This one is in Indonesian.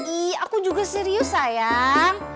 iya aku juga serius sayang